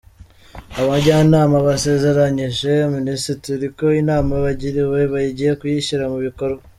Abajyanama basezeranyije Minisitiri ko inama bagiriwe bagiye kuyishyira mu bikorwa.